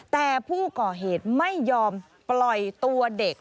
แต่ผู้ก่อเหตุไม่ยอมปล่อยตัวเด็ก